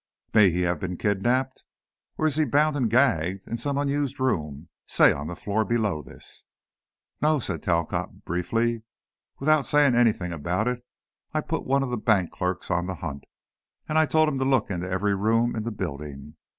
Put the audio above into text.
May he have been kidnaped? Or is he bound and gagged in some unused room, say on the floor below this?" "No," said Talcott, briefly. "Without saying anything about it I put one of the bank clerks on the hunt and I told him to look into every room in the building.